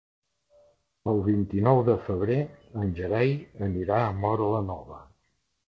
El vint-i-nou de febrer en Gerai anirà a Móra la Nova.